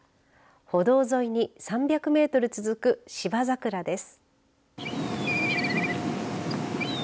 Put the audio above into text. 歩道沿いに３００メートル続くシバザクラです。